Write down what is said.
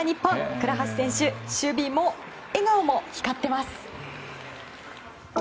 倉橋選手、守備も笑顔も光っています。